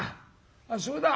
あっそうだ。